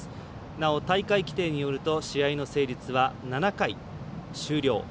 大会規定によると試合の成立は７回終了。